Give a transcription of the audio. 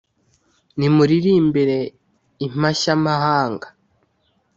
nimuririmbe impashyamahanga